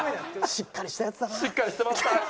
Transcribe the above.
しっかりしたヤツだな！